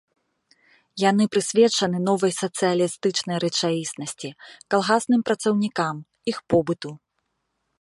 Яны прысвечаны новай сацыялістычнай рэчаіснасці, калгасным працаўнікам, іх побыту.